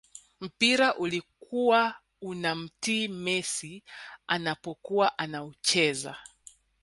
mpira ulikuwa unamtii messi anapokuwa anauchezea